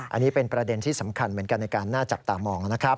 อันนี้เป็นประเด็นที่สำคัญเหมือนกันในการน่าจับตามองนะครับ